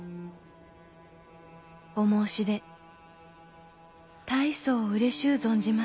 お申し出大層うれしゅう存じます。